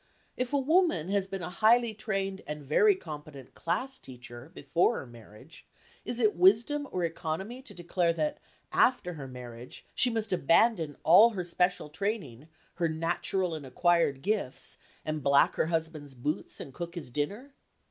If a woman has been a highly trained and very competent class teacher before her marriage, is it wisdom or economy to declare that, after her marriage, she must abandon all her special training, her natural and acquired gifts, and black her husband's boots and cook his dinner?